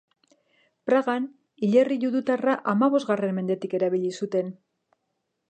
Pragan hilerri judutarra hamabostgarren mendetik erabili zuten.